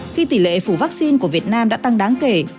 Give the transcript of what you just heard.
khi tỷ lệ phủ vaccine của việt nam đã tăng đáng kể